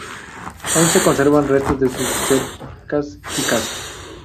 Aún se conservan restos de sus cercas y casas.